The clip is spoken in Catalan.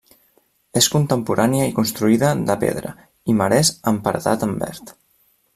És contemporània i construïda de pedra i marès amb paredat en verd.